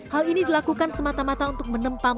hal ini dilakukan semata mata untuk menempat